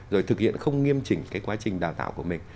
rồi thực hiện không nghiêm trình quá trình đào tạo của mình